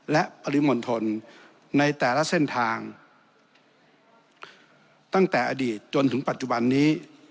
และปริมณฑลในแต่ละเส้นทางตั้งแต่อดีตจนถึงปัจจุบันนี้